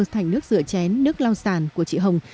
thành nước rửa chén nước lau sàn của chị hồng